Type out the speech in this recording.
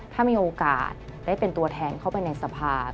ถ้ามีโอกาสได้เป็นตัวแทนเข้าไปในสภา